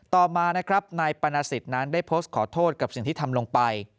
ต่อมานะครับนายปรณสิทธิ์นั้นได้โพสต์ขอโทษกับสิ่งที่ทำลงไป